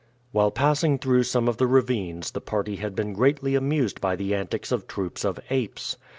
While passing through some of the ravines the party had been greatly amused by the antics of troops of apes.